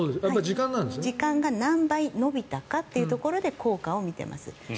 時間が何倍伸びたかというところで効果を見ています。